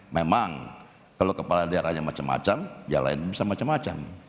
memang kalau kepala daerahnya macam macam ya lain bisa macam macam